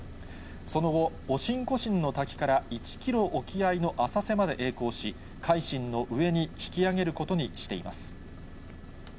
その後、オシンコシンの滝から１キロ沖合の浅瀬までえい航し、海進の上に引き揚げることにしています。